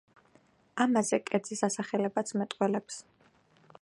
ამაზე კერძის დასახელებაც მეტყველებს.